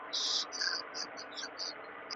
په ښوونځي کې باید نظم او ډسپلین موجود وي.